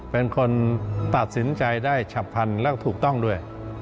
เป็นคนตัดสินใจได้ฉับพันธุ์และถูกต้องด้วย